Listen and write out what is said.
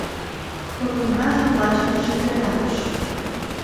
Котомкажым вачыштыже тӧрлатыш.